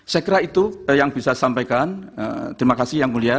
saya kira itu yang bisa disampaikan terima kasih yang mulia